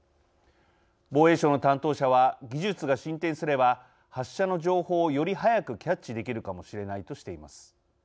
防衛省の担当者は技術が進展すれば発射の情報を、より早くキャッチできるかもしれないとしています。